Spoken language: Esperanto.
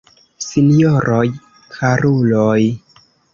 Sinjoroj, karuloj!